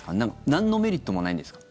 なんのメリットもないんですか？